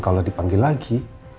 kalau dipanggil lagi